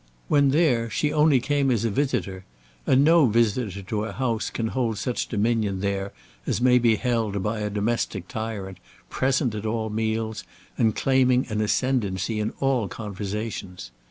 When there she only came as a visitor; and no visitor to a house can hold such dominion there as may be held by a domestic tyrant, present at all meals, and claiming an ascendancy in all conversations.